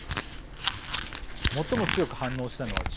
最も強く反応したのは中国です。